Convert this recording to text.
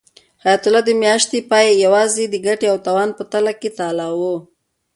حیات الله د میاشتې پای یوازې د ګټې او تاوان په تله کې تلاوه.